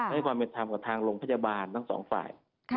ให้ความเป็นธรรมกับทางโรงพยาบาลทั้งสองฝ่าย